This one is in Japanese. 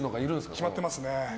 決まってますね。